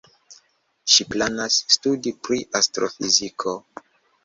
Ŝi planas studi pri astrofiziko.